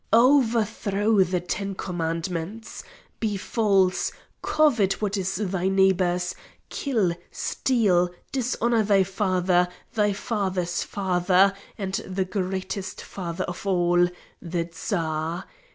"Overthrow the ten commandments! Be false; covet what is thy neighbour's; kill, steal, dishonour thy father, thy father's father, and the greatest father of all the Tsar!